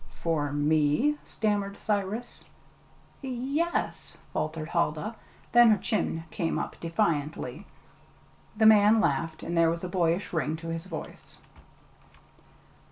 "For me?" stammered Cyrus. "Y yes," faltered Huldah; then her chin came up defiantly. The man laughed; and there was a boyish ring to his voice.